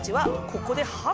ここでは。